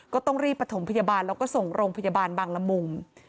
ก็ต้องรีบประถมพยาบาลแล้วก็ส่งโรงพยาบาลบางละมุง